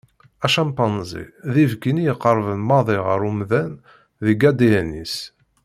Acampanzi d ibki-nni iqerben maḍi ɣer umdan deg adn-is.